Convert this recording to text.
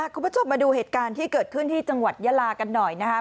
คุณผู้ชมมาดูเหตุการณ์ที่เกิดขึ้นที่จังหวัดยาลากันหน่อยนะครับ